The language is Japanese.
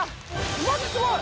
マジすごい！